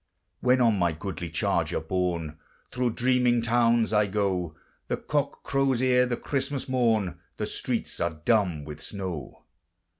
When on my goodly charger borne Thro' dreaming towns I go, The cock crows ere the Christmas morn, The streets are dumb with snow.